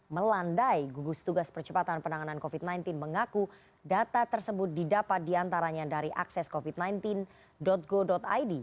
melandai gugus tugas percepatan penanganan covid sembilan belas mengaku data tersebut didapat diantaranya dari akses covid sembilan belas go id